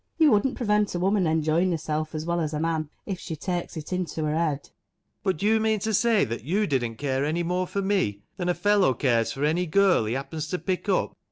You wouldn't prevent a woman enjoying herself as well as a man, if she takes it into her head ? ALAN. But do you mean to say that you didn't care any more for me than a fellow cares for any girl he happens to pick up